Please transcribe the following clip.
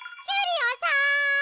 キュリオさん。